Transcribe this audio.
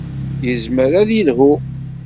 Yezmer ad yelhu.